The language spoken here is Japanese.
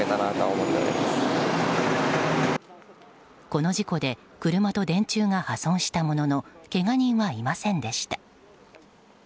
この事故で車と電柱が破損したもののけが人はいませんでした。